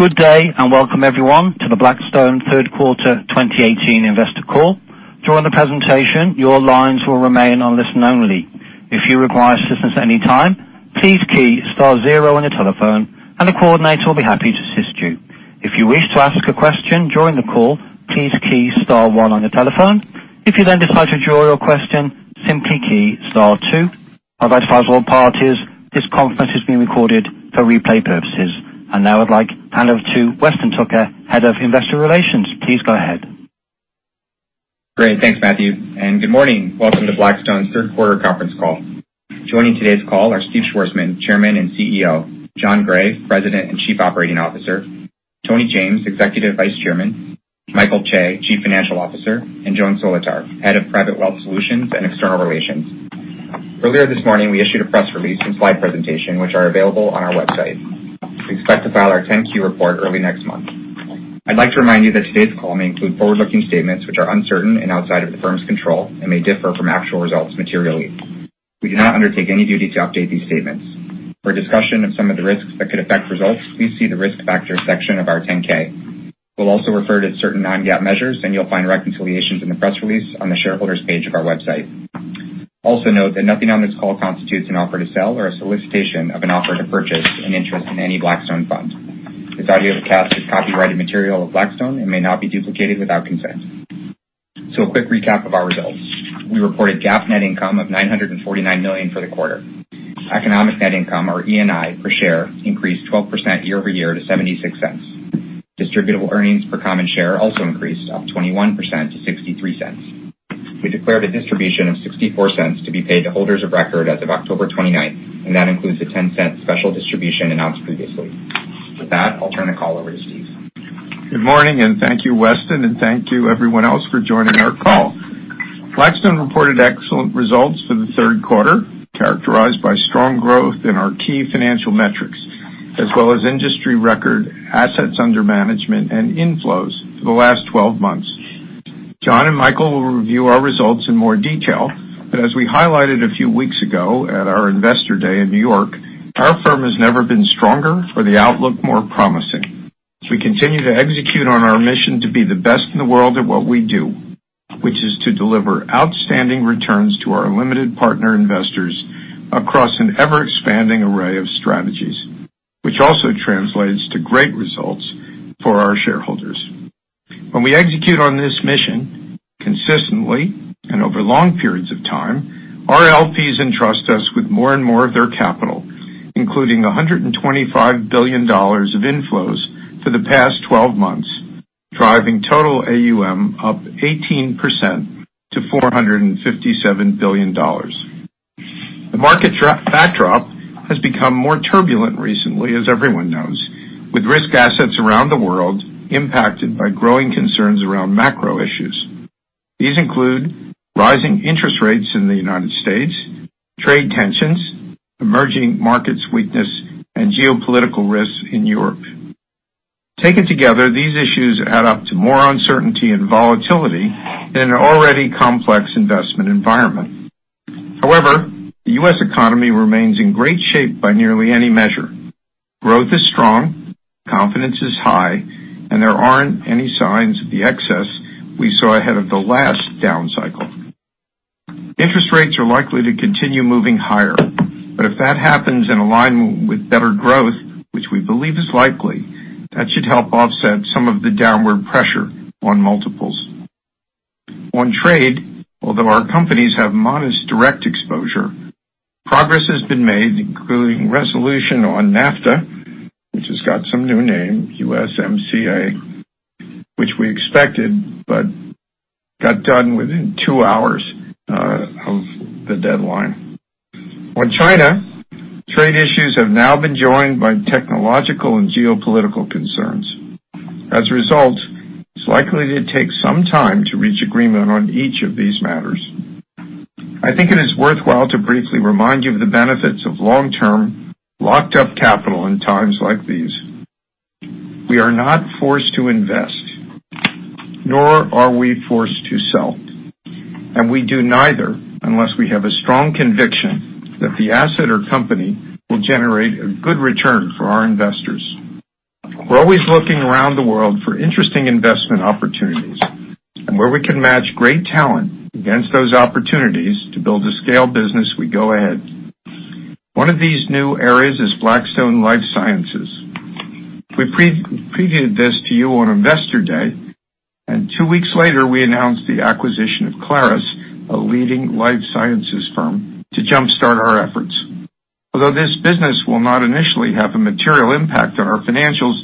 Good day. Welcome everyone to the Blackstone third quarter 2018 investor call. During the presentation, your lines will remain on listen only. If you require assistance at any time, please key star zero on your telephone, and a coordinator will be happy to assist you. If you wish to ask a question during the call, please key star one on your telephone. If you then decide to withdraw your question, simply key star two. I'd like to advise all parties this conference is being recorded for replay purposes. Now I'd like hand over to Weston Tucker, Head of Investor Relations. Please go ahead. Great. Thanks, Matthew. Good morning. Welcome to Blackstone's third quarter conference call. Joining today's call are Stephen Schwarzman, Chairman and CEO, Jon Gray, President and Chief Operating Officer, Tony James, Executive Vice Chairman, Michael Chae, Chief Financial Officer, and Joan Solotar, Head of Private Wealth Solutions and External Relations. Earlier this morning, we issued a press release and slide presentation which are available on our website. We expect to file our 10-Q report early next month. I'd like to remind you that today's call may include forward-looking statements, which are uncertain and outside of the firm's control and may differ from actual results materially. We do not undertake any duty to update these statements. For a discussion of some of the risks that could affect results, please see the risk factors section of our 10-K. We'll also refer to certain non-GAAP measures. You'll find reconciliations in the press release on the shareholders page of our website. Also note that nothing on this call constitutes an offer to sell or a solicitation of an offer to purchase an interest in any Blackstone fund. This audio cast is copyrighted material of Blackstone and may not be duplicated without consent. A quick recap of our results. We reported GAAP net income of $949 million for the quarter. Economic net income or ENI per share increased 12% year-over-year to $0.76. Distributable earnings per common share also increased, up 21% to $0.63. We declared a distribution of $0.64 to be paid to holders of record as of October 29th, and that includes the $0.10 special distribution announced previously. With that, I'll turn the call over to Steve. Good morning. Thank you, Weston, and thank you everyone else for joining our call. Blackstone reported excellent results for the third quarter, characterized by strong growth in our key financial metrics, as well as industry record assets under management and inflows for the last 12 months. Jon and Michael will review our results in more detail. As we highlighted a few weeks ago at our Investor Day in New York, our firm has never been stronger or the outlook more promising. We continue to execute on our mission to be the best in the world at what we do, which is to deliver outstanding returns to our limited partner investors across an ever-expanding array of strategies, which also translates to great results for our shareholders. When we execute on this mission consistently and over long periods of time, our LPs entrust us with more and more of their capital, including $125 billion of inflows for the past 12 months, driving total AUM up 18% to $457 billion. The market backdrop has become more turbulent recently, as everyone knows, with risk assets around the world impacted by growing concerns around macro issues. These include rising interest rates in the United States, trade tensions, emerging markets weakness, and geopolitical risks in Europe. Taken together, these issues add up to more uncertainty and volatility in an already complex investment environment. However, the U.S. economy remains in great shape by nearly any measure. Growth is strong, confidence is high, and there aren't any signs of the excess we saw ahead of the last down cycle. Interest rates are likely to continue moving higher, if that happens in alignment with better growth, which we believe is likely, that should help offset some of the downward pressure on multiples. On trade, although our companies have modest direct exposure, progress has been made, including resolution on NAFTA, which has got some new name, USMCA, which we expected but got done within two hours of the deadline. On China, trade issues have now been joined by technological and geopolitical concerns. As a result, it's likely to take some time to reach agreement on each of these matters. I think it is worthwhile to briefly remind you of the benefits of long-term, locked-up capital in times like these. We are not forced to invest, nor are we forced to sell. We do neither unless we have a strong conviction that the asset or company will generate a good return for our investors. We're always looking around the world for interesting investment opportunities, where we can match great talent against those opportunities to build a scale business, we go ahead. One of these new areas is Blackstone Life Sciences. We previewed this to you on Investor Day, two weeks later, we announced the acquisition of Clarus, a leading life sciences firm, to jumpstart our efforts. Although this business will not initially have a material impact on our financials,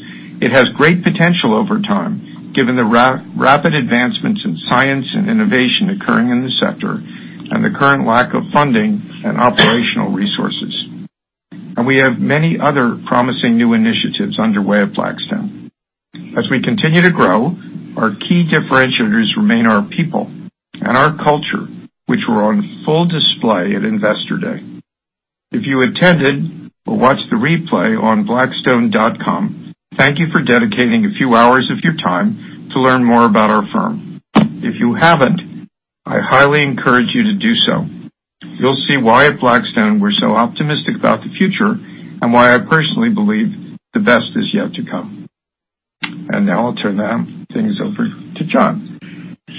it has great potential over time given the rapid advancements in science and innovation occurring in the sector and the current lack of funding and operational resources. We have many other promising new initiatives underway at Blackstone. As we continue to grow, our key differentiators remain our people and our culture, which were on full display at Investor Day. If you attended or watched the replay on blackstone.com, thank you for dedicating a few hours of your time to learn more about our firm. If you haven't, I highly encourage you to do so. You'll see why at Blackstone, we're so optimistic about the future and why I personally believe the best is yet to come. Now I'll turn things over to Jon.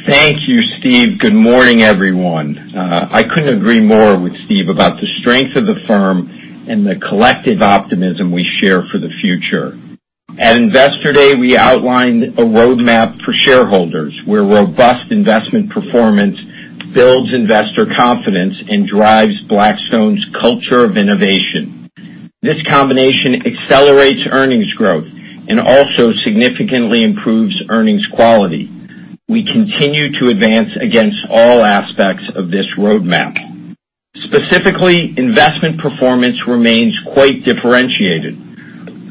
Thank you, Steve. Good morning, everyone. I couldn't agree more with Steve about the strength of the firm and the collective optimism we share for the future. At Investor Day, we outlined a roadmap for shareholders, where robust investment performance builds investor confidence and drives Blackstone's culture of innovation. This combination accelerates earnings growth and also significantly improves earnings quality. We continue to advance against all aspects of this roadmap. Specifically, investment performance remains quite differentiated.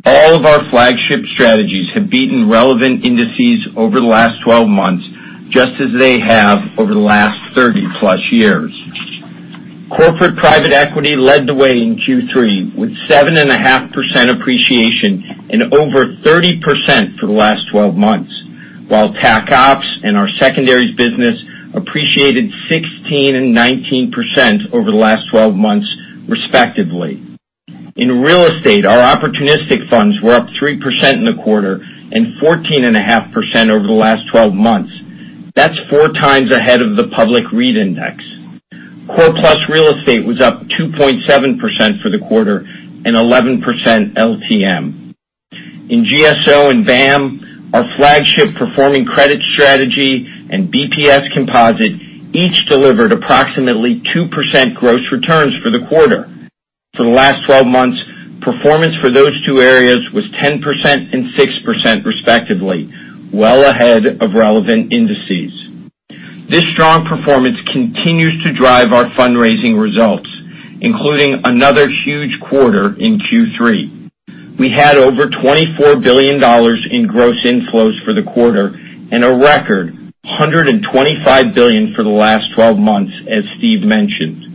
All of our flagship strategies have beaten relevant indices over the last 12 months, just as they have over the last 30+ years. Corporate private equity led the way in Q3 with 7.5% appreciation and over 30% for the last 12 months. While Tac Opps and our secondaries business appreciated 16% and 19% over the last 12 months respectively. In real estate, our opportunistic funds were up 3% in the quarter and 14.5% over the last 12 months. That's four times ahead of the public REIT index. Core Plus Real Estate was up 2.7% for the quarter and 11% LTM. In GSO and BAAM, our flagship performing credit strategy and BPS composite each delivered approximately 2% gross returns for the quarter. For the last 12 months, performance for those two areas was 10% and 6% respectively, well ahead of relevant indices. This strong performance continues to drive our fundraising results, including another huge quarter in Q3. We had over $24 billion in gross inflows for the quarter and a record $125 billion for the last 12 months, as Steve mentioned.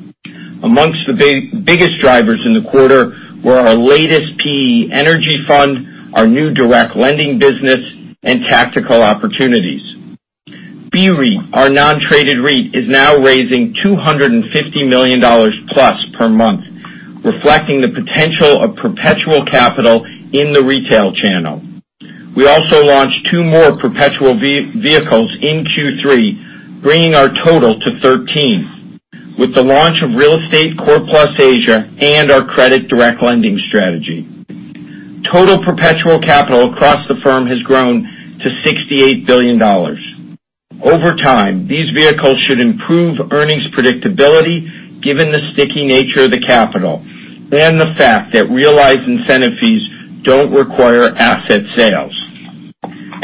Amongst the biggest drivers in the quarter were our latest PE energy fund, our new direct lending business, and Tactical Opportunities. BREIT, our non-traded REIT, is now raising $250 million-plus per month, reflecting the potential of perpetual capital in the retail channel. We also launched two more perpetual vehicles in Q3, bringing our total to 13 with the launch of Blackstone Property Partners Asia and our credit direct lending strategy. Total perpetual capital across the firm has grown to $68 billion. Over time, these vehicles should improve earnings predictability given the sticky nature of the capital and the fact that realized incentive fees don't require asset sales.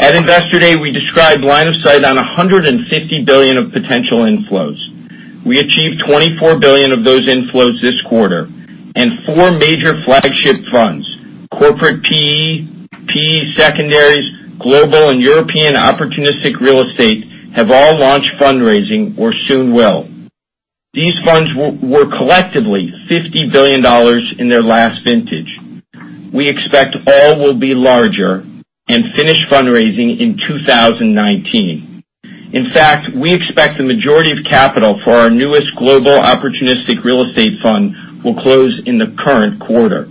At Investor Day, we described line of sight on $150 billion of potential inflows. We achieved $24 billion of those inflows this quarter and four major flagship funds, corporate PE secondaries, global and European opportunistic real estate have all launched fundraising or soon will. These funds were collectively $50 billion in their last vintage. We expect all will be larger and finish fundraising in 2019. In fact, we expect the majority of capital for our newest global opportunistic real estate fund will close in the current quarter.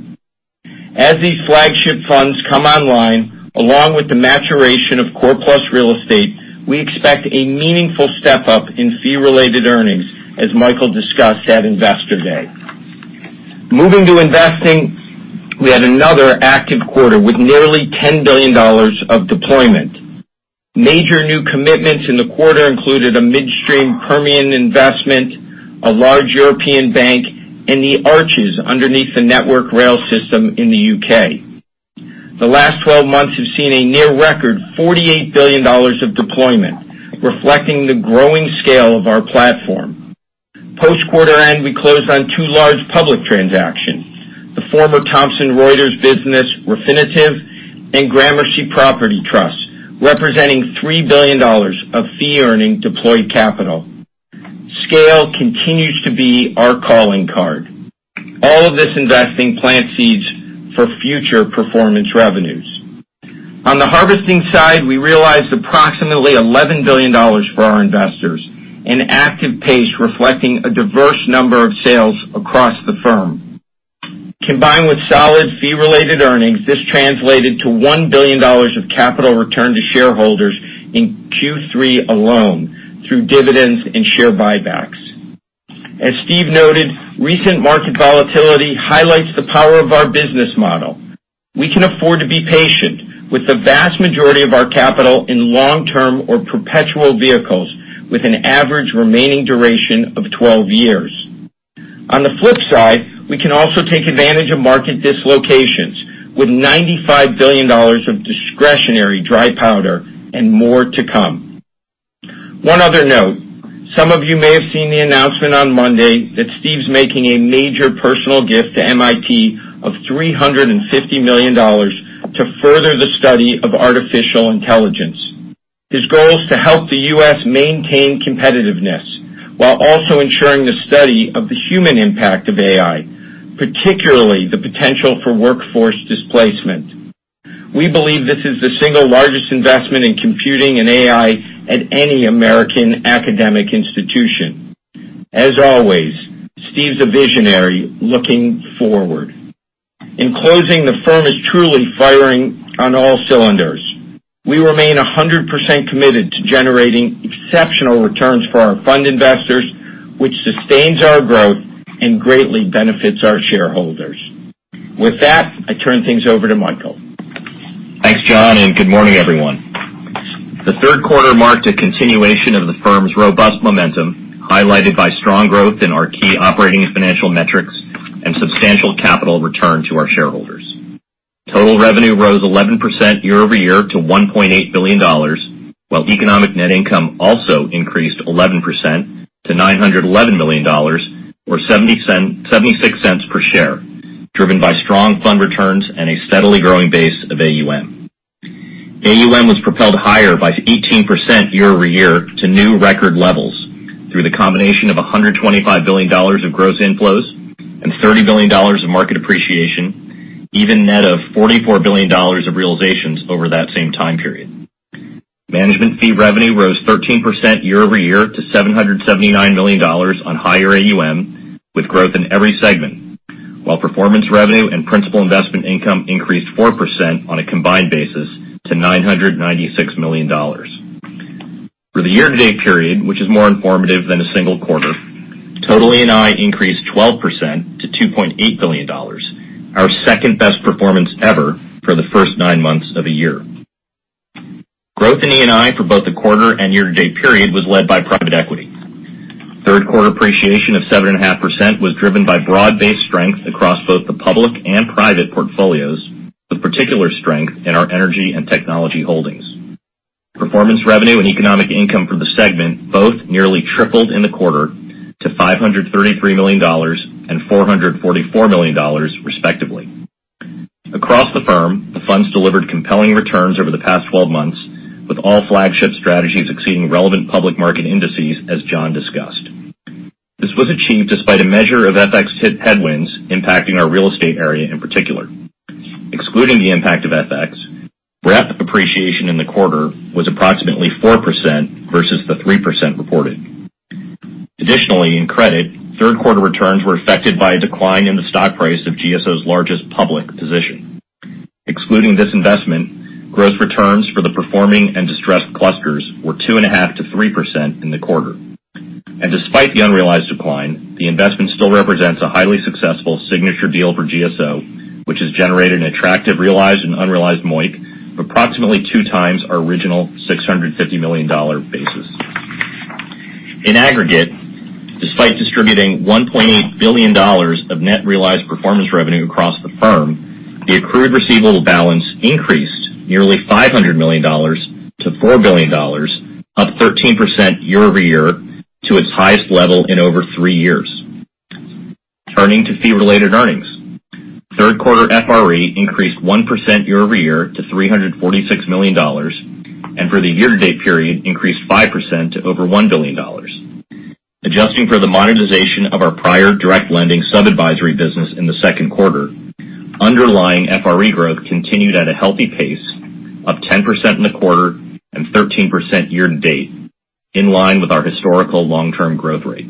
As these flagship funds come online, along with the maturation of Core Plus Real Estate, we expect a meaningful step-up in Fee-Related Earnings, as Michael discussed at Investor Day. Moving to investing, we had another active quarter with nearly $10 billion of deployment. Major new commitments in the quarter included a midstream Permian investment, a large European bank, and the arches underneath the network rail system in the U.K. The last 12 months have seen a near-record $48 billion of deployment, reflecting the growing scale of our platform. Post quarter end, we closed on two large public transactions, the former Thomson Reuters business, Refinitiv, and Gramercy Property Trust, representing $3 billion of fee earning deployed capital. Scale continues to be our calling card. All of this investing plant seeds for future performance revenues. On the harvesting side, we realized approximately $11 billion for our investors, an active pace reflecting a diverse number of sales across the firm. Combined with solid Fee-Related Earnings, this translated to $1 billion of capital returned to shareholders in Q3 alone through dividends and share buybacks. As Steve noted, recent market volatility highlights the power of our business model. We can afford to be patient with the vast majority of our capital in long-term or perpetual vehicles with an average remaining duration of 12 years. On the flip side, we can also take advantage of market dislocations with $95 billion of discretionary dry powder and more to come. One other note, some of you may have seen the announcement on Monday that Steve's making a major personal gift to MIT of $350 million to further the study of artificial intelligence. His goal is to help the U.S. maintain competitiveness while also ensuring the study of the human impact of AI, particularly the potential for workforce displacement. We believe this is the single largest investment in computing and AI at any American academic institution. As always, Steve's a visionary looking forward. In closing, the firm is truly firing on all cylinders. We remain 100% committed to generating exceptional returns for our fund investors, which sustains our growth and greatly benefits our shareholders. With that, I turn things over to Michael. Thanks, Jon, and good morning, everyone. The third quarter marked a continuation of the firm's robust momentum, highlighted by strong growth in our key operating and financial metrics and substantial capital return to our shareholders. Total revenue rose 11% year-over-year to $1.8 billion, while economic net income also increased 11% to $911 million, or $0.76 per share, driven by strong fund returns and a steadily growing base of AUM. AUM was propelled higher by 18% year-over-year to new record levels through the combination of $125 billion of gross inflows and $30 billion of market appreciation, even net of $44 billion of realizations over that same time period. Management fee revenue rose 13% year-over-year to $779 million on higher AUM, with growth in every segment, while performance revenue and principal investment income increased 4% on a combined basis to $996 million. For the year-to-date period, which is more informative than a single quarter, total ENI increased 12% to $2.8 billion, our second-best performance ever for the first nine months of a year. Growth in ENI for both the quarter and year-to-date period was led by private equity. Third quarter appreciation of 7.5% was driven by broad-based strength across both the public and private portfolios, with particular strength in our energy and technology holdings. Performance revenue and economic income for the segment both nearly tripled in the quarter to $533 million and $444 million respectively. Across the firm, the funds delivered compelling returns over the past 12 months, with all flagship strategies exceeding relevant public market indices as Jon discussed. This was achieved despite a measure of FX headwinds impacting our real estate area in particular. Excluding the impact of FX, BREDS appreciation in the quarter was approximately 4% versus the 3% reported. Additionally, in credit, third quarter returns were affected by a decline in the stock price of GSO's largest public position. Excluding this investment, gross returns for the performing and distressed clusters were 2.5%-3% in the quarter. Despite the unrealized decline, the investment still represents a highly successful signature deal for GSO, which has generated an attractive realized and unrealized MOIC of approximately 2x our original $650 million basis. In aggregate, despite distributing $1.8 billion of net realized performance revenue across the firm, the accrued receivable balance increased nearly $500 million to $4 billion, up 13% year-over-year to its highest level in over three years. Turning to fee-related earnings. Third quarter FRE increased 1% year-over-year to $346 million, and for the year-to-date period increased 5% to over $1 billion. Adjusting for the monetization of our prior direct lending sub-advisory business in the second quarter, underlying FRE growth continued at a healthy pace, up 10% in the quarter and 13% year-to-date, in line with our historical long-term growth rate.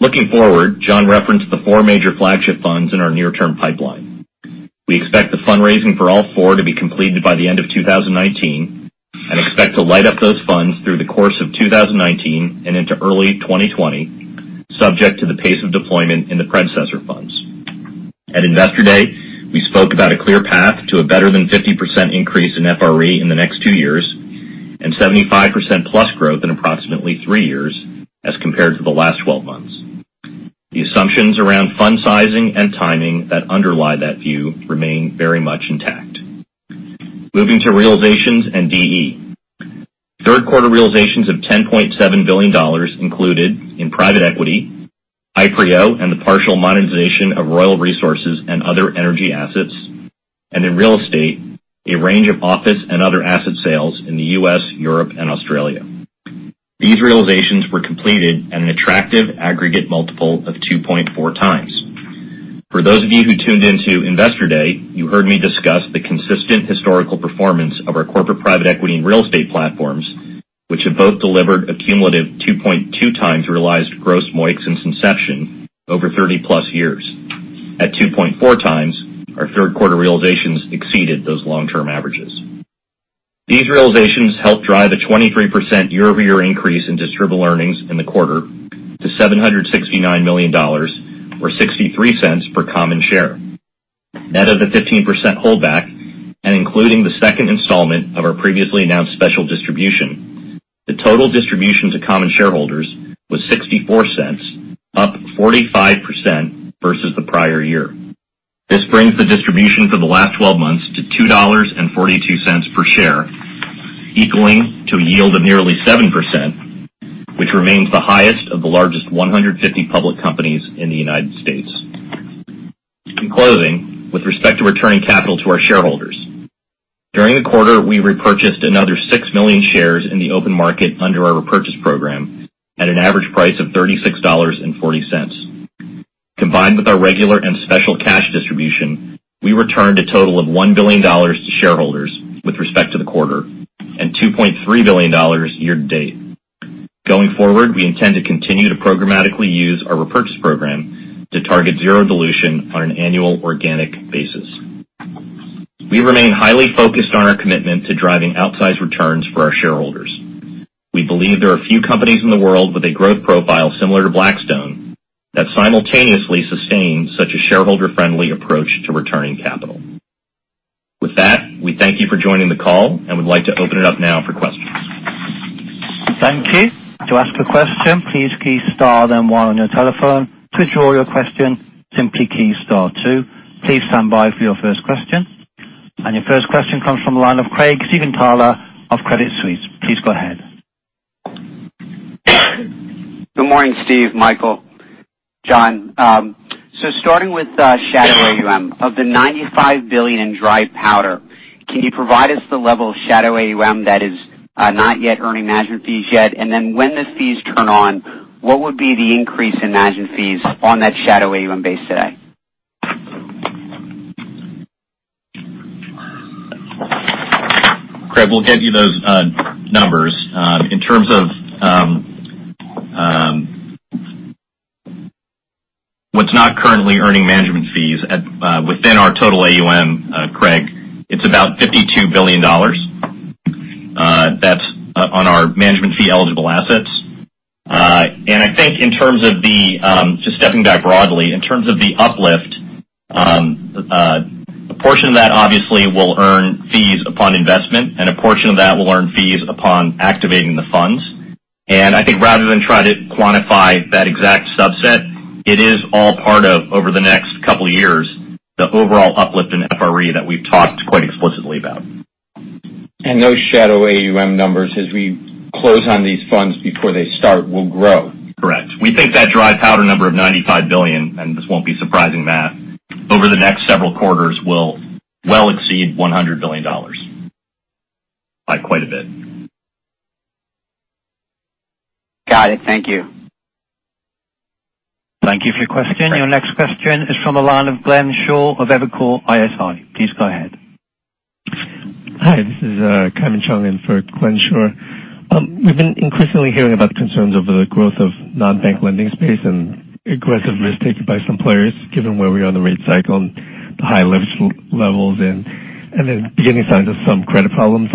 Looking forward, Jon referenced the four major flagship funds in our near-term pipeline. We expect the fundraising for all four to be completed by the end of 2019 and expect to light up those funds through the course of 2019 and into early 2020, subject to the pace of deployment in the predecessor funds. At Investor Day, we spoke about a clear path to a better than 50% increase in FRE in the next two years and 75%+ growth in approximately three years as compared to the last 12 months. The assumptions around fund sizing and timing that underlie that view remain very much intact. Moving to realizations and DE. Third quarter realizations of $10.7 billion included in private equity, Ipreo and the partial monetization of Royal Resources and other energy assets, and in real estate, a range of office and other asset sales in the U.S., Europe, and Australia. These realizations were completed at an attractive aggregate multiple of 2.4x. For those of you who tuned into Investor Day, you heard me discuss the consistent historical performance of our corporate private equity and real estate platforms, which have both delivered a cumulative 2.2x realized gross MOICs since inception over 30+ years. At 2.4x, our third quarter realizations exceeded those long-term averages. These realizations helped drive a 23% year-over-year increase in distributable earnings in the quarter to $769 million or $0.63 per common share. Net of the 15% holdback and including the second installment of our previously announced special distribution, the total distribution to common shareholders was $0.64, up 45% versus the prior year. This brings the distribution for the last 12 months to $2.42 per share, equaling to a yield of nearly 7%, which remains the highest of the largest 150 public companies in the U.S. In closing, with respect to returning capital to our shareholders, during the quarter, we repurchased another 6 million shares in the open market under our repurchase program at an average price of $36.40. Combined with our regular and special cash distribution, we returned a total of $1 billion to shareholders with respect to the quarter, and $2.3 billion year-to-date. Going forward, we intend to continue to programmatically use our repurchase program to target zero dilution on an annual organic basis. We remain highly focused on our commitment to driving outsized returns for our shareholders. We believe there are few companies in the world with a growth profile similar to Blackstone that simultaneously sustain such a shareholder-friendly approach to returning capital. With that, we thank you for joining the call and would like to open it up now for questions. Thank you. To ask a question, please key star then one on your telephone. To withdraw your question, simply key star two. Please stand by for your first question. Your first question comes from the line of Craig Siegenthaler of Credit Suisse. Please go ahead. Good morning, Steve, Michael, Jon. Starting with shadow AUM, of the $95 billion in dry powder, can you provide us the level of shadow AUM that is not yet earning management fees yet? Then when the fees turn on, what would be the increase in management fees on that shadow AUM base today? Craig, we'll get you those numbers. In terms of what's not currently earning management fees within our total AUM, Craig, it's about $52 billion. That's on our management fee eligible assets. I think just stepping back broadly, in terms of the uplift, a portion of that obviously will earn fees upon investment, and a portion of that will earn fees upon activating the funds. I think rather than try to quantify that exact subset, it is all part of, over the next couple of years, the overall uplift in FRE that we've talked quite explicitly about. Those shadow AUM numbers, as we close on these funds before they start, will grow. Correct. We think that dry powder number of $95 billion, this won't be surprising, Matt, over the next several quarters will well exceed $100 billion by quite a bit. Got it. Thank you. Thank you for your question. Your next question is from the line of Glenn Schorr of Evercore ISI. Please go ahead. Hi, this is Kaimon Chung in for Glenn Schorr. We've been increasingly hearing about the concerns over the growth of non-bank lending space and aggressive risk taken by some players, given where we are in the rate cycle and the high leverage levels. Then beginning signs of some credit problems.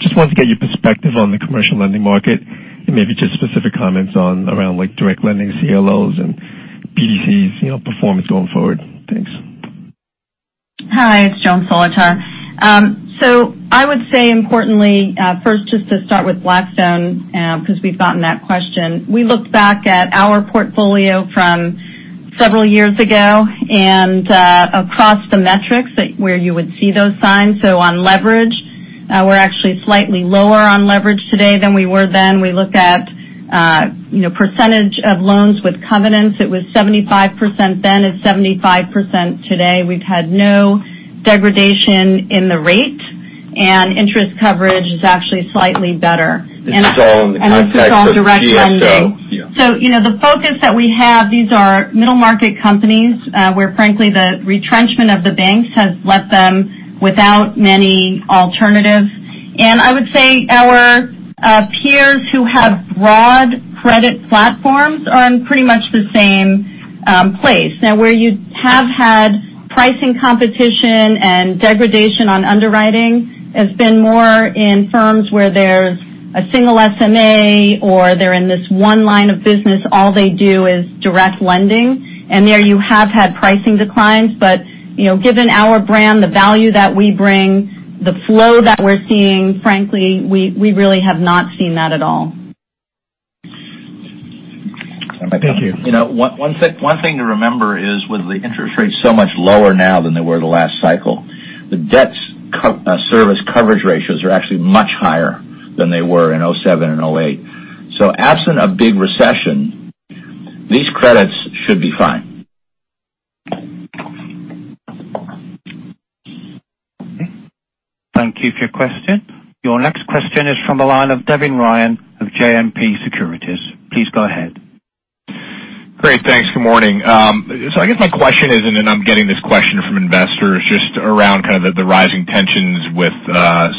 Just wanted to get your perspective on the commercial lending market and maybe just specific comments on around like direct lending, CLOs, and BDCs performance going forward. Thanks. Hi, it's Joan Solotar. I would say importantly, first just to start with Blackstone, because we've gotten that question. We looked back at our portfolio from several years ago and across the metrics where you would see those signs. On leverage, we're actually slightly lower on leverage today than we were then. We looked at percentage of loans with covenants. It was 75% then, it's 75% today. We've had no degradation in the rate. Interest coverage is actually slightly better. This is all in the context of GSO. This is all in direct lending. Yeah. The focus that we have, these are middle-market companies where frankly, the retrenchment of the banks has left them without many alternatives. I would say our peers who have broad credit platforms are in pretty much the same place. Where you have had pricing competition and degradation on underwriting has been more in firms where there's a single SMA or they're in this one line of business, all they do is direct lending. There you have had pricing declines, but given our brand, the value that we bring, the flow that we're seeing, frankly, we really have not seen that at all. Thank you. One thing to remember is with the interest rates so much lower now than they were the last cycle, the debt service coverage ratios are actually much higher than they were in 2007 and 2008. Absent a big recession, these credits should be fine. Thank you for your question. Your next question is from the line of Devin Ryan of JMP Securities. Please go ahead. Great. Thanks. Good morning. I guess my question is, I'm getting this question from investors, just around the rising tensions with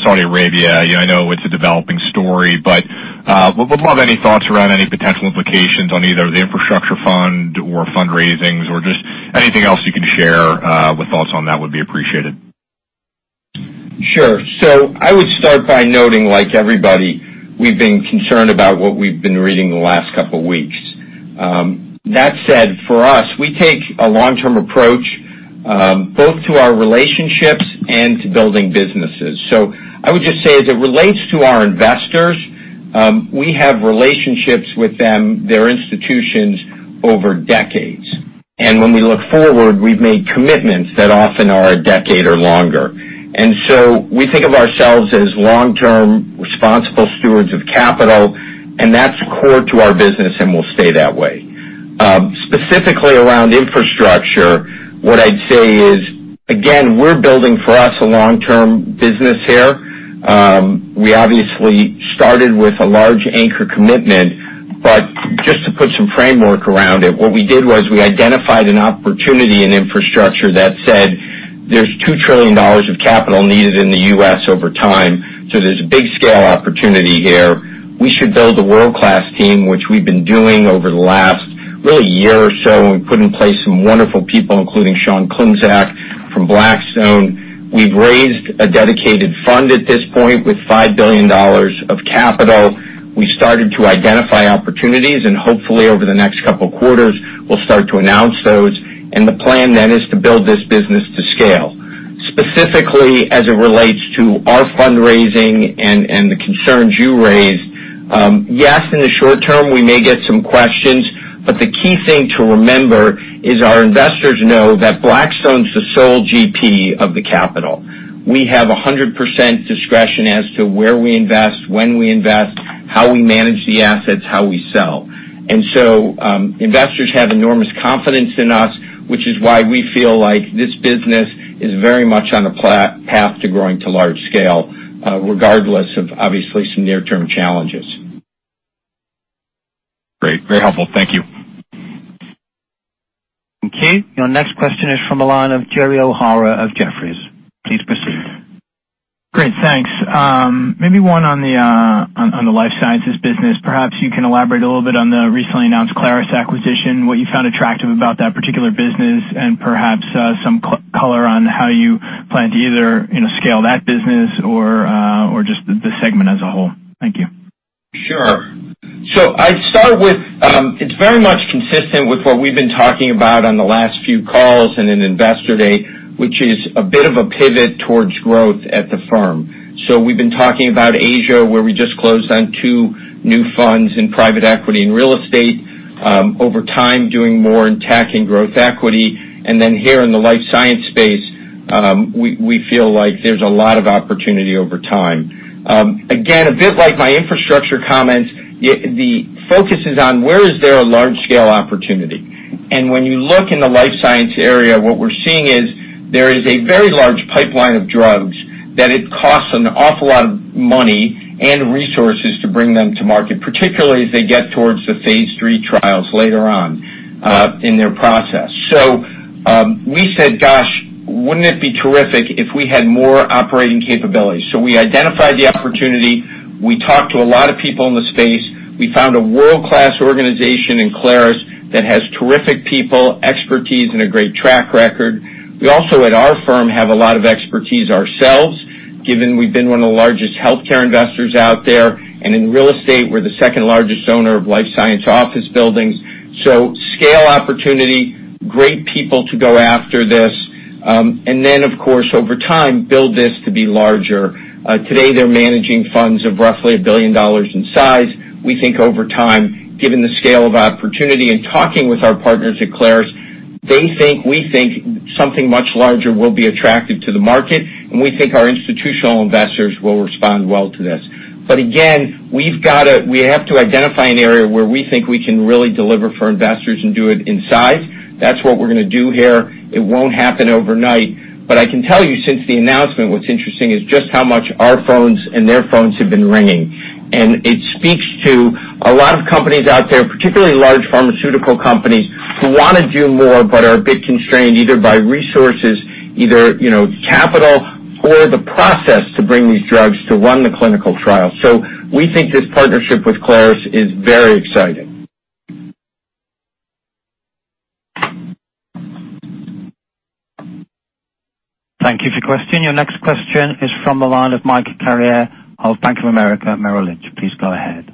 Saudi Arabia. I know it's a developing story, would love any thoughts around any potential implications on either the infrastructure fund or fundraisings or just anything else you can share with thoughts on that would be appreciated. Sure. I would start by noting, like everybody, we've been concerned about what we've been reading the last couple of weeks. That said, for us, we take a long-term approach both to our relationships and to building businesses. I would just say as it relates to our investors, we have relationships with them, their institutions, over decades. When we look forward, we've made commitments that often are a decade or longer. We think of ourselves as long-term responsible stewards of capital, and that's core to our business and will stay that way. Specifically around infrastructure, what I'd say is, again, we're building for us a long-term business here We obviously started with a large anchor commitment. Just to put some framework around it, what we did was we identified an opportunity in infrastructure that said there's $2 trillion of capital needed in the U.S. over time, there's a big scale opportunity here. We should build a world-class team, which we've been doing over the last really year or so, we put in place some wonderful people, including Sean Klimczak from Blackstone. We've raised a dedicated fund at this point with $5 billion of capital. We started to identify opportunities, hopefully over the next couple of quarters, we'll start to announce those. The plan is to build this business to scale. Specifically, as it relates to our fundraising and the concerns you raised, yes, in the short term, we may get some questions, the key thing to remember is our investors know that Blackstone's the sole GP of the capital. We have 100% discretion as to where we invest, when we invest, how we manage the assets, how we sell. Investors have enormous confidence in us, which is why we feel like this business is very much on a path to growing to large scale regardless of obviously some near-term challenges. Great. Very helpful. Thank you. Okay. Your next question is from the line of Gerald O'Hara of Jefferies. Please proceed. Great. Thanks. Maybe one on the life sciences business. Perhaps you can elaborate a little bit on the recently announced Clarus acquisition, what you found attractive about that particular business, and perhaps some color on how you plan to either scale that business or just the segment as a whole. Thank you. Sure. I'd start with, it's very much consistent with what we've been talking about on the last few calls and in Investor Day, which is a bit of a pivot towards growth at the firm. We've been talking about Asia, where we just closed on two new funds in private equity and real estate over time, doing more in TAC and growth equity. Here in the life science space, we feel like there's a lot of opportunity over time. Again, a bit like my infrastructure comments, the focus is on where is there a large scale opportunity. When you look in the life science area, what we're seeing is there is a very large pipeline of drugs that it costs an awful lot of money and resources to bring them to market, particularly as they get towards the phase III trials later on in their process. We said, "Gosh, wouldn't it be terrific if we had more operating capabilities?" We identified the opportunity. We talked to a lot of people in the space. We found a world-class organization in Clarus that has terrific people, expertise, and a great track record. We also at our firm have a lot of expertise ourselves, given we've been one of the largest healthcare investors out there. In real estate, we're the second largest owner of life science office buildings. Scale opportunity, great people to go after this. Then, of course, over time, build this to be larger. Today, they're managing funds of roughly $1 billion in size. We think over time, given the scale of opportunity and talking with our partners at Clarus, they think/we think something much larger will be attractive to the market, and we think our institutional investors will respond well to this. Again, we have to identify an area where we think we can really deliver for investors and do it in size. That's what we're going to do here. It won't happen overnight. I can tell you since the announcement, what's interesting is just how much our phones and their phones have been ringing. It speaks to a lot of companies out there, particularly large pharmaceutical companies, who want to do more but are a bit constrained either by resources, either capital or the process to bring these drugs to run the clinical trial. We think this partnership with Clarus is very exciting. Thank you for your question. Your next question is from the line of Michael Carrier of Bank of America Merrill Lynch. Please go ahead.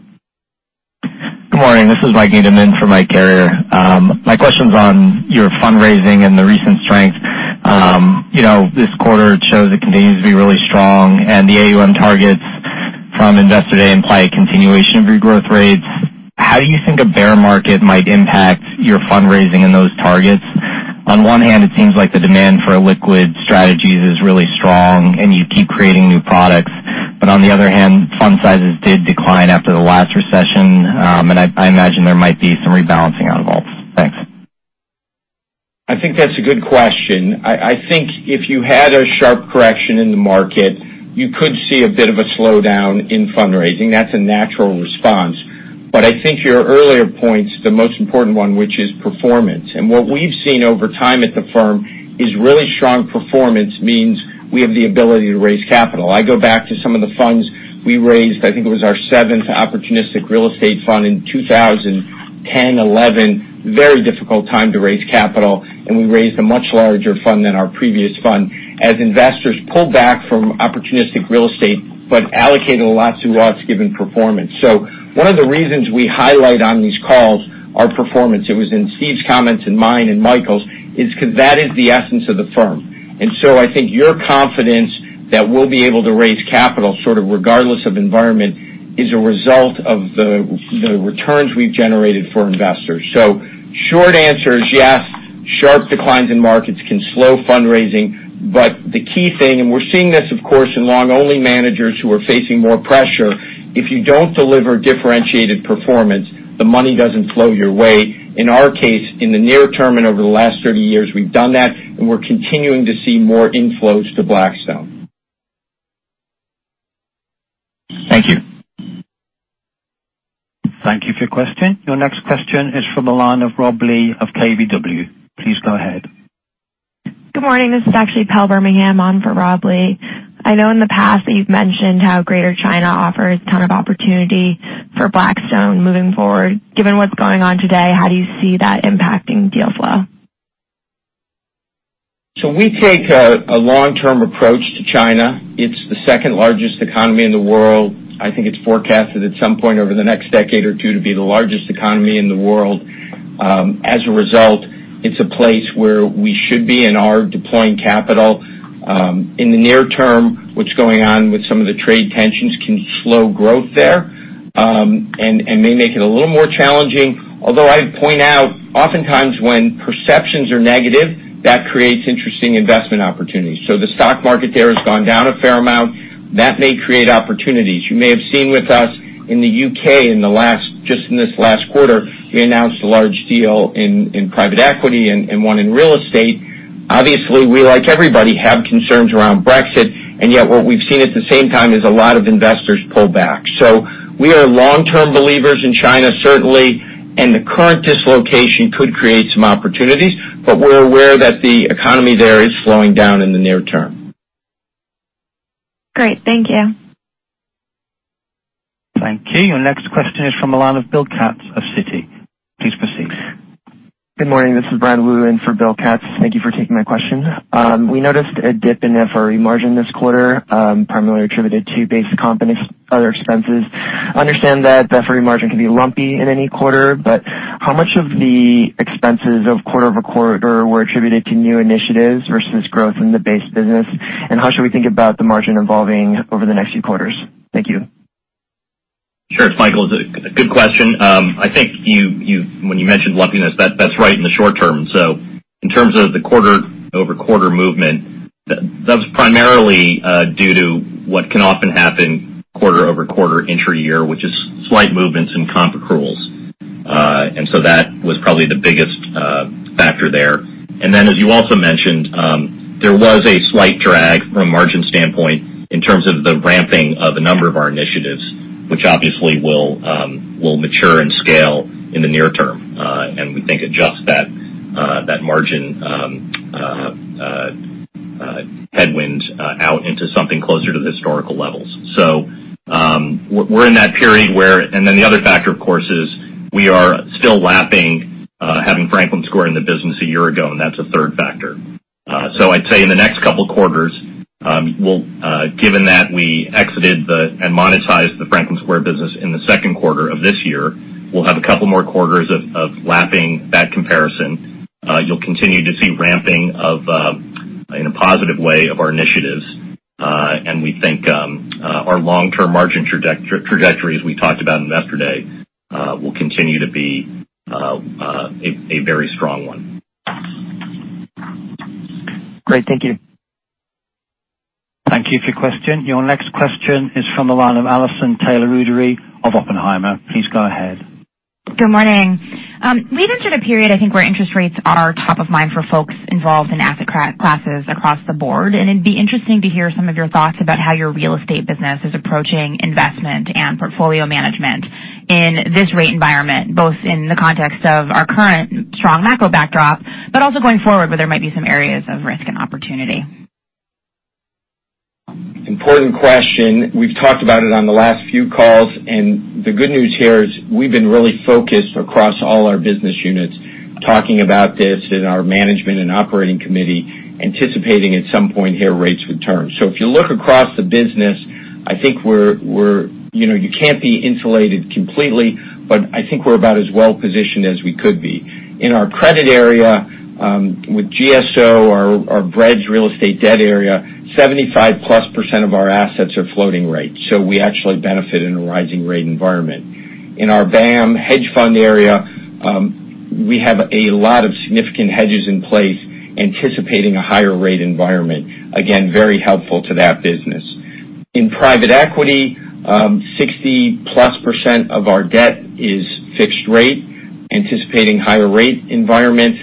Good morning. This is Mike Needham for Michael Carrier. My question's on your fundraising and the recent strength. This quarter shows it continues to be really strong, and the AUM targets from Investor Day imply a continuation of your growth rates. How do you think a bear market might impact your fundraising and those targets? On one hand, it seems like the demand for a liquid strategy is really strong and you keep creating new products. On the other hand, fund sizes did decline after the last recession, and I imagine there might be some rebalancing involved. Thanks. I think that's a good question. I think if you had a sharp correction in the market, you could see a bit of a slowdown in fundraising. That's a natural response. I think your earlier point's the most important one, which is performance. What we've seen over time at the firm is really strong performance means we have the ability to raise capital. I go back to some of the funds we raised, I think it was our seventh opportunistic real estate fund in 2010, 2011, very difficult time to raise capital, and we raised a much larger fund than our previous fund as investors pulled back from opportunistic real estate, but allocated a lot to us given performance. One of the reasons we highlight on these calls our performance, it was in Steve's comments and mine and Michael's, is because that is the essence of the firm. I think your confidence that we'll be able to raise capital sort of regardless of environment is a result of the returns we've generated for investors. Short answer is yes, sharp declines in markets can slow fundraising, but the key thing, and we're seeing this, of course, in long-only managers who are facing more pressure, if you don't deliver differentiated performance, the money doesn't flow your way. In our case, in the near term and over the last 30 years, we've done that, and we're continuing to see more inflows to Blackstone. Thank you. Thank you for your question. Your next question is from the line of Robert Lee of KBW. Please go ahead. Good morning. This is actually Pell Bermingham on for Robert Lee. I know in the past that you've mentioned how Greater China offers a ton of opportunity for Blackstone moving forward. Given what's going on today, how do you see that impacting deal flow? We take a long-term approach to China. It's the second-largest economy in the world. I think it's forecasted at some point over the next decade or two to be the largest economy in the world. As a result, it's a place where we should be and are deploying capital. In the near term, what's going on with some of the trade tensions can slow growth there, and may make it a little more challenging. Although I'd point out oftentimes when perceptions are negative, that creates interesting investment opportunities. The stock market there has gone down a fair amount. That may create opportunities. You may have seen with us in the U.K. just in this last quarter, we announced a large deal in private equity and one in real estate. Obviously, we, like everybody, have concerns around Brexit, and yet what we've seen at the same time is a lot of investors pull back. We are long-term believers in China, certainly, and the current dislocation could create some opportunities, but we're aware that the economy there is slowing down in the near term. Great. Thank you. Thank you. Your next question is from the line of William Katz of Citi. Please proceed. Good morning. This is Brian Wu in for William Katz. Thank you for taking my question. We noticed a dip in FRE margin this quarter, primarily attributed to base comp and other expenses. I understand that FRE margin can be lumpy in any quarter, but how much of the expenses of quarter-over-quarter were attributed to new initiatives versus growth in the base business, and how should we think about the margin evolving over the next few quarters? Thank you. Sure, Michael, it's a good question. I think when you mentioned lumpiness, that's right in the short term. In terms of the quarter-over-quarter movement, that's primarily due to what can often happen quarter-over-quarter intra-year, which is slight movements in comp accruals. That was probably the biggest factor there. Then, as you also mentioned, there was a slight drag from a margin standpoint in terms of the ramping of a number of our initiatives, which obviously will mature and scale in the near term. We think adjust that margin headwind out into something closer to the historical levels. Then the other factor, of course, is we are still lapping, having Franklin Square in the business a year ago, and that's a third factor. I'd say in the next couple of quarters, given that we exited and monetized the Franklin Square business in the second quarter of this year, we'll have a couple more quarters of lapping that comparison. You'll continue to see ramping in a positive way of our initiatives. We think our long-term margin trajectory, as we talked about Investor Day, will continue to be a very strong one. Great. Thank you. Thank you for your question. Your next question is from the line of Allison Taylor Rudary of Oppenheimer. Please go ahead. Good morning. We've entered a period, I think, where interest rates are top of mind for folks involved in asset classes across the board, it'd be interesting to hear some of your thoughts about how your real estate business is approaching investment and portfolio management in this rate environment, both in the context of our current strong macro backdrop, also going forward, where there might be some areas of risk and opportunity. Important question. We've talked about it on the last few calls, the good news here is we've been really focused across all our business units, talking about this in our management and operating committee, anticipating at some point here rates would turn. If you look across the business, you can't be insulated completely, but I think we're about as well positioned as we could be. In our credit area, with GSO, our BREDS real estate debt area, 75%+ of our assets are floating rate. We actually benefit in a rising rate environment. In our BAAM hedge fund area, we have a lot of significant hedges in place anticipating a higher rate environment. Again, very helpful to that business. In private equity, 60%+ of our debt is fixed rate, anticipating higher rate environments.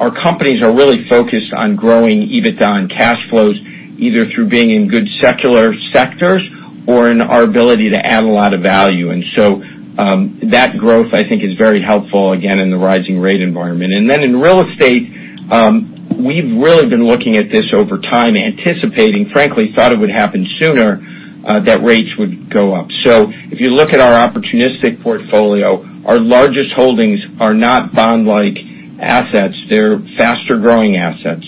Our companies are really focused on growing EBITDA and cash flows, either through being in good secular sectors or in our ability to add a lot of value. That growth, I think, is very helpful, again, in the rising rate environment. In real estate, we've really been looking at this over time, anticipating, frankly, thought it would happen sooner, that rates would go up. If you look at our opportunistic portfolio, our largest holdings are not bond-like assets. They're faster-growing assets.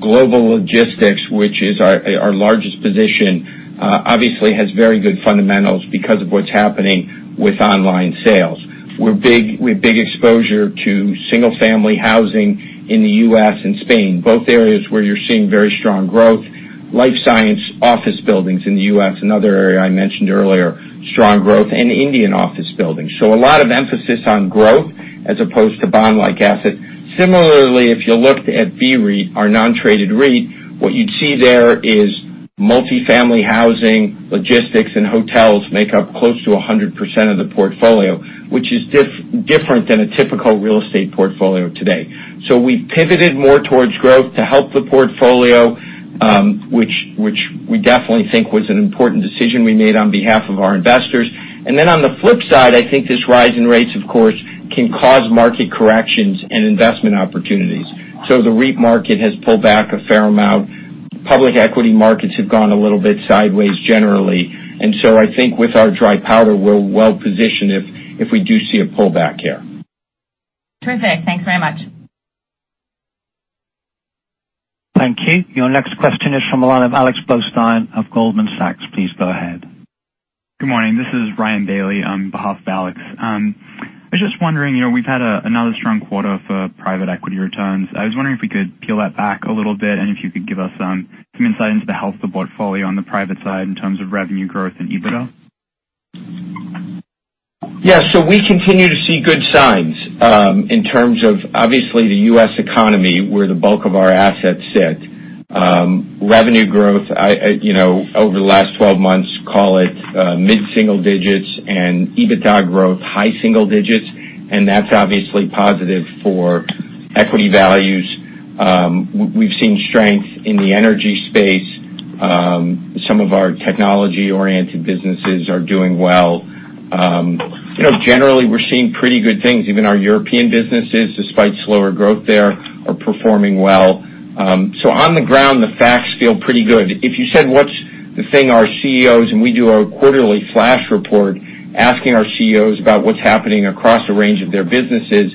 Global logistics, which is our largest position, obviously has very good fundamentals because of what's happening with online sales. We have big exposure to single-family housing in the U.S. and Spain, both areas where you're seeing very strong growth. Life science office buildings in the U.S., another area I mentioned earlier, strong growth. Indian office buildings. A lot of emphasis on growth as opposed to bond-like assets. Similarly, if you looked at BREIT, our non-traded REIT, what you'd see there is multifamily housing, logistics, and hotels make up close to 100% of the portfolio, which is different than a typical real estate portfolio today. We've pivoted more towards growth to help the portfolio, which we definitely think was an important decision we made on behalf of our investors. On the flip side, I think this rise in rates, of course, can cause market corrections and investment opportunities. The REIT market has pulled back a fair amount. Public equity markets have gone a little bit sideways generally. I think with our dry powder, we're well positioned if we do see a pullback here. Terrific. Thanks very much. Thank you. Your next question is from the line of Alex Blostein of Goldman Sachs. Please go ahead. Good morning. This is Ryan Bailey on behalf of Alex. I was just wondering, we've had another strong quarter for private equity returns. I was wondering if we could peel that back a little bit, and if you could give us some insight into the health of the portfolio on the private side in terms of revenue growth and EBITDA? We continue to see good signs, in terms of, obviously the U.S. economy, where the bulk of our assets sit. Revenue growth over the last 12 months, call it mid-single digits, and EBITDA growth, high single digits. That's obviously positive for equity values. We've seen strength in the energy space. Some of our technology-oriented businesses are doing well. Generally, we're seeing pretty good things. Even our European businesses, despite slower growth there, are performing well. On the ground, the facts feel pretty good. If you said, what's the thing our CEOs, and we do our quarterly flash report, asking our CEOs about what's happening across a range of their businesses.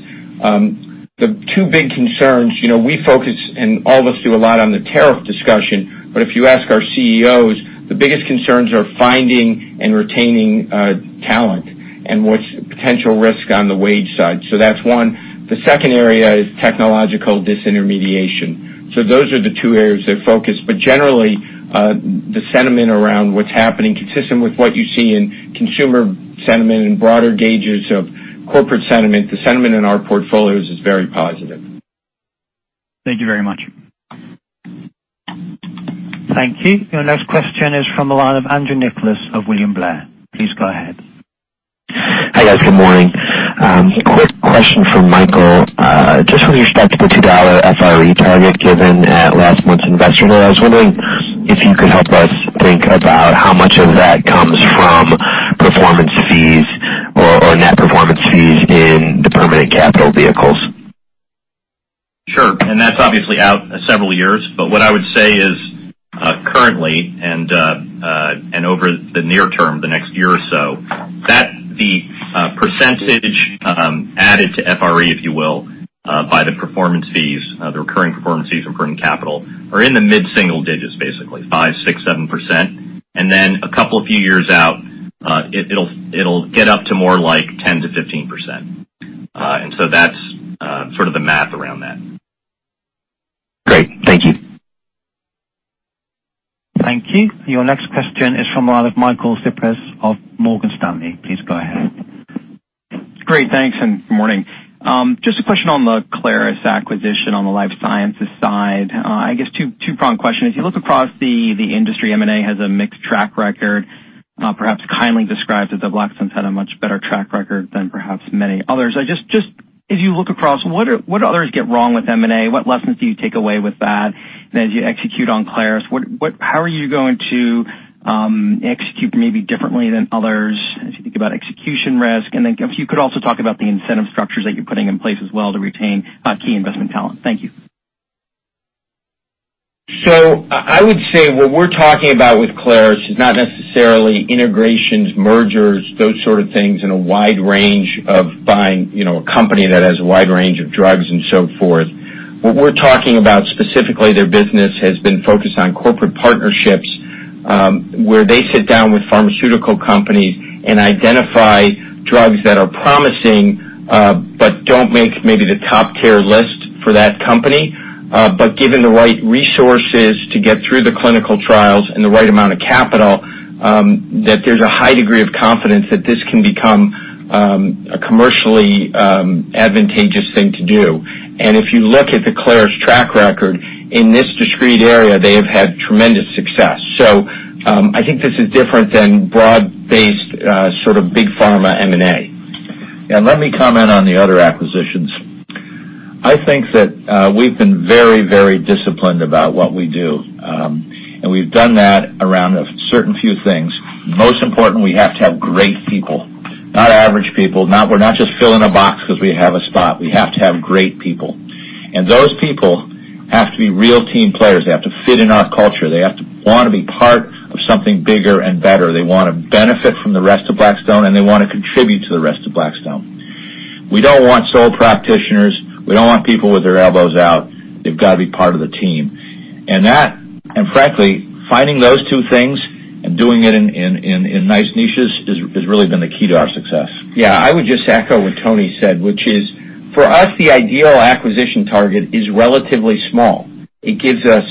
The two big concerns, we focus, and all of us do a lot on the tariff discussion, but if you ask our CEOs, the biggest concerns are finding and retaining talent, and what's potential risk on the wage side. That's one. The second area is technological disintermediation. Those are the two areas they're focused. Generally, the sentiment around what's happening, consistent with what you see in consumer sentiment and broader gauges of corporate sentiment, the sentiment in our portfolios is very positive. Thank you very much. Thank you. Your next question is from the line of Andrew Nicholas of William Blair. Please go ahead. Hi, guys. Good morning. Quick question for Michael. Just with respect to the $2 FRE target given at last month's investor day, I was wondering if you could help us think about how much of that comes from performance fees or net performance fees in the permanent capital vehicles. Sure. That's obviously out several years. What I would say is, currently, and over the near term, the next year or so, that the percentage added to FRE, if you will, by the performance fees, the recurring performance fees, recurring capital, are in the mid-single digits, basically 5%, 6%, 7%. Then a couple of few years out, it'll get up to more like 10%-15%. That's sort of the math around that. Great. Thank you. Thank you. Your next question is from the line of Michael Cyprys of Morgan Stanley. Please go ahead. Great, thanks. Good morning. Just a question on the Clarus acquisition on the life sciences side. I guess two-pronged question. If you look across the industry, M&A has a mixed track record, perhaps kindly described that Blackstone's had a much better track record than perhaps many others. As you look across, what others get wrong with M&A? What lessons do you take away with that? As you execute on Clarus, how are you going to execute maybe differently than others as you think about execution risk? If you could also talk about the incentive structures that you're putting in place as well to retain key investment talent. Thank you. I would say what we're talking about with Clarus is not necessarily integrations, mergers, those sort of things in a wide range of buying a company that has a wide range of drugs and so forth. What we're talking about specifically, their business has been focused on corporate partnerships, where they sit down with pharmaceutical companies and identify drugs that are promising, don't make maybe the top tier list for that company. Given the right resources to get through the clinical trials and the right amount of capital, that there's a high degree of confidence that this can become a commercially advantageous thing to do. If you look at the Clarus track record, in this discrete area, they have had tremendous success. I think this is different than broad-based, sort of big pharma M&A. Let me comment on the other acquisitions. I think that we've been very, very disciplined about what we do. We've done that around a certain few things. Most important, we have to have great people, not average people. We're not just filling a box because we have a spot. We have to have great people. Those people have to be real team players. They have to fit in our culture. They have to want to be part of something bigger and better. They want to benefit from the rest of Blackstone, and they want to contribute to the rest of Blackstone. We don't want sole practitioners. We don't want people with their elbows out. They've got to be part of the team. Frankly, finding those two things and doing it in nice niches has really been the key to our success. Yeah, I would just echo what Tony said, which is, for us, the ideal acquisition target is relatively small. It gives us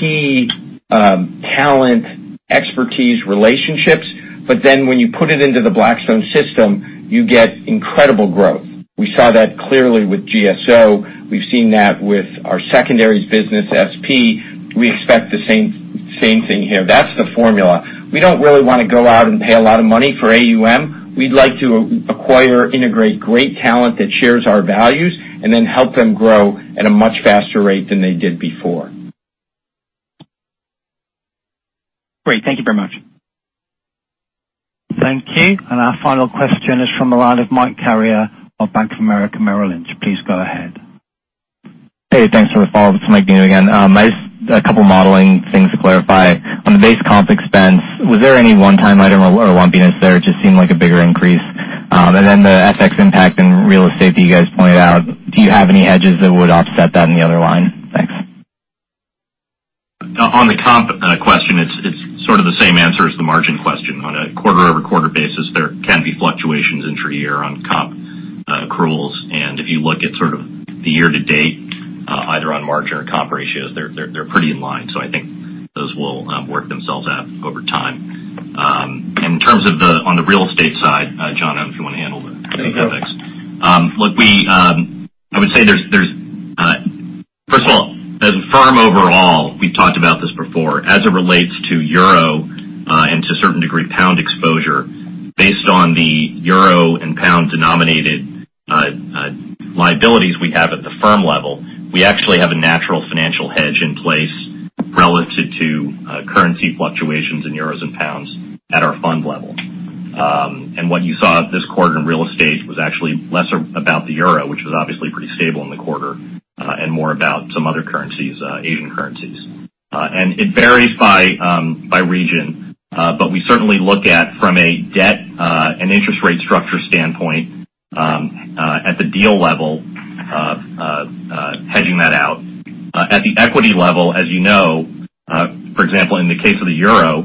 key talent, expertise, relationships. When you put it into the Blackstone system, you get incredible growth. We saw that clearly with GSO. We've seen that with our secondaries business, SP. We expect the same thing. Same thing here. That's the formula. We don't really want to go out and pay a lot of money for AUM. We'd like to acquire, integrate great talent that shares our values, help them grow at a much faster rate than they did before. Great. Thank you very much. Thank you. Our final question is from the line of Michael Carrier of Bank of America Merrill Lynch. Please go ahead. Hey, thanks for the follow-up. It's Mike again. Just a couple modeling things to clarify. On the base comp expense, was there any one-time item or lumpiness there? It just seemed like a bigger increase. The FX impact in real estate that you guys pointed out, do you have any hedges that would offset that in the other line? Thanks. On the comp question, it's sort of the same answer as the margin question. On a quarter-over-quarter basis, there can be fluctuations intra-year on comp accruals. If you look at sort of the year to date, either on margin or comp ratios, they're pretty in line. I think those will work themselves out over time. On the real estate side, Jon, if you want to handle the FX. Sure. I would say, first of all, as a firm overall, we've talked about this before, as it relates to euro, and to a certain degree, pound exposure, based on the euro and pound-denominated liabilities we have at the firm level, we actually have a natural financial hedge in place relative to currency fluctuations in euros and pounds at our fund level. What you saw this quarter in real estate was actually less about the euro, which was obviously pretty stable in the quarter, and more about some other currencies, Asian currencies. It varies by region. We certainly look at, from a debt and interest rate structure standpoint, at the deal level, hedging that out. At the equity level, as you know, for example, in the case of the euro,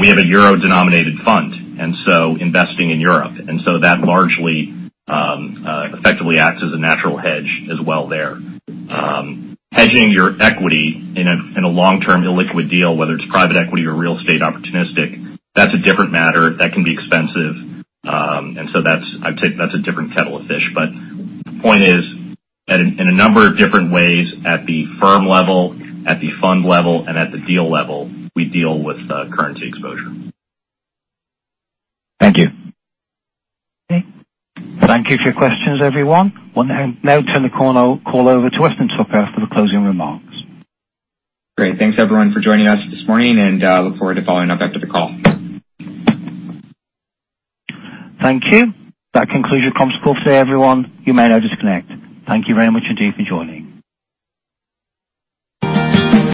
we have a euro-denominated fund, and so investing in Europe. That largely effectively acts as a natural hedge as well there. Hedging your equity in a long-term illiquid deal, whether it's private equity or real estate opportunistic, that's a different matter. That can be expensive. That's, I'd say, that's a different kettle of fish. The point is, in a number of different ways, at the firm level, at the fund level, and at the deal level, we deal with currency exposure. Thank you. Okay. Thank you for your questions, everyone. We will now turn the call over to Weston Tucker for the closing remarks. Great. Thanks, everyone, for joining us this morning, and look forward to following up after the call. Thank you. That concludes your conference call today, everyone. You may now disconnect. Thank you very much indeed for joining.